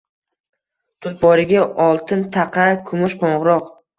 Tulporiga oltin taqa, kumush qo’ng’iroq